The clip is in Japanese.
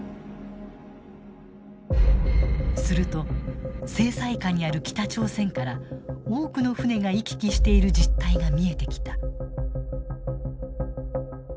すると制裁下にある北朝鮮から多くの船が行き来している実態が見えてきた。